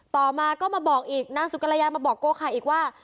ต่อมาก็มาบอกอีกนางสุกรยามาบอกโกไข่อีกว่า